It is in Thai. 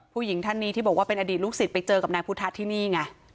ผู้หญิงท่านนี้ที่บอกว่าเป็นอดีตลูกศิษย์ไปเจอกับนายพุทธะที่นี่ไง